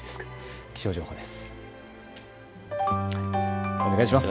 気象情報です。